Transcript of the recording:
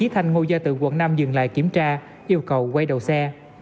thanh ngô gia tự quận năm dừng lại kiểm tra yêu cầu quay đầu xe